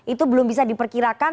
itu belum bisa diperkirakan